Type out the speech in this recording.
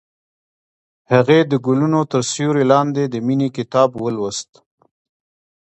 هغې د ګلونه تر سیوري لاندې د مینې کتاب ولوست.